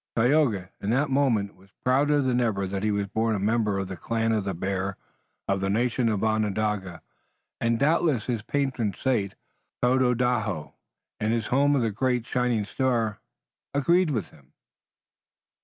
Tayoga, in that moment, was prouder than ever that he was born a member of the Clan of the Bear, of the nation Onondaga, and doubtless his patron saint, Tododaho, in his home on the great, shining star, agreed with him.